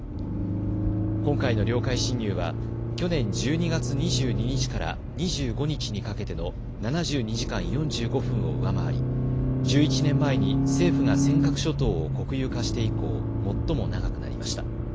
今回の領海侵入は去年１２月２２日から２５日にかけての７２時間４５分を上回り１１年前に政府が尖閣諸島を国有化して以降、最も長くなりました。